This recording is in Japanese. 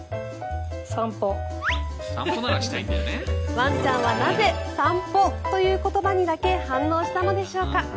ワンちゃんはなぜ散歩という言葉にだけ反応したのでしょうか。